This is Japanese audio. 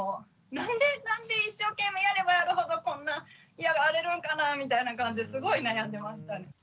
なんで一生懸命やればやるほどこんな嫌がられるんかなみたいな感じですごい悩んでましたね。